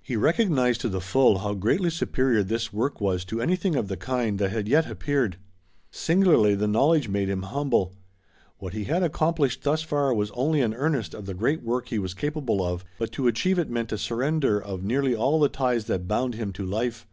He recognized to the full how greatly superior this work was to anything of the kind that had yet appeared; singularly the knowledge made him humble. What he had accomplished thus far was only an earnest of the great work he was capable of, but to achieve it meant a surrender of nearly all the ties that bound him to life.